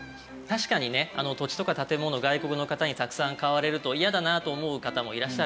確かにね土地とか建物を外国の方にたくさん買われると嫌だなと思う方もいらっしゃるんですけれども。